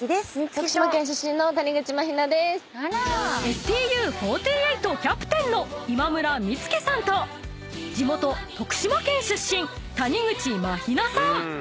［「ＳＴＵ４８」キャプテンの今村美月さんと地元徳島県出身谷口茉妃菜さん］